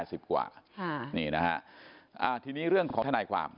ครับบางทีนะฮะอาทิเมฆเรื่องของธนายความ